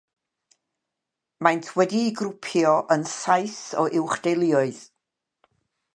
Maent wedi'u grwpio yn saith o uwch-deuluoedd.